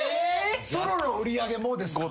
ソロの売り上げもですか？